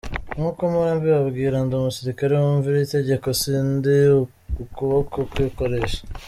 Nkuko mpora mbibabwira, ndi umusirikari wumvira itegeko, si ndi ukuboko kwikoresha.